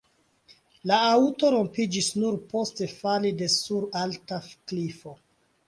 La aŭto rompiĝas nur post fali de sur alta klifo.